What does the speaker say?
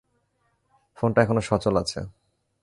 ফোনটা এখনও সচল আছে!